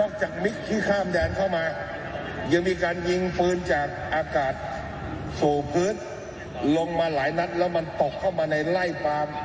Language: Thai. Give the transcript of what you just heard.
จากมิกที่ข้ามแดนเข้ามายังมีการยิงปืนจากอากาศสู่พื้นลงมาหลายนัดแล้วมันตกเข้ามาในไล่ฟาร์ม